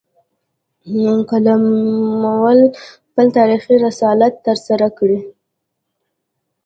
قلموال خپل تاریخي رسالت ترسره کړي